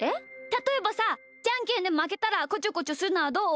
たとえばさじゃんけんでまけたらこちょこちょするのはどう？